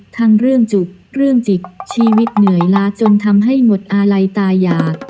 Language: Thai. ทั้งเรื่องจุกเรื่องจิกชีวิตเหนื่อยล้าจนทำให้หมดอาลัยตายา